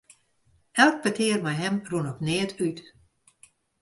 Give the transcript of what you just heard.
Elk petear mei him rûn op neat út.